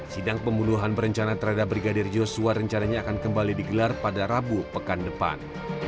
sidang pembunuhan berencana terhadap brigadir joshua rencananya akan kembali digelar pada rabu pekan depan